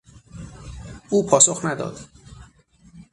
او پاسخی نداد.